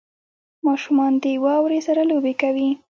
• ماشومان د واورې سره لوبې کوي.